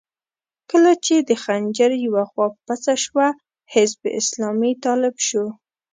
کله چې د خنجر يوه خوا پڅه شوه، حزب اسلامي طالب شو.